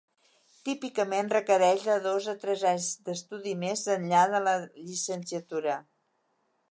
Típicament requereix de dos a tres anys d'estudi més enllà de la llicenciatura.